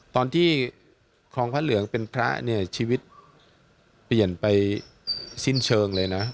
ตอนที่คลองพระเหลืองเป็นพระเนี่ยชีวิตเปลี่ยนไปสิ้นเชิงเลยนะ